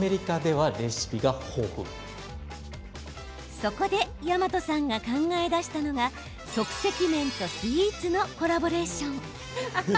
そこで大和さんが考え出したのが即席麺とスイーツのコラボレーション。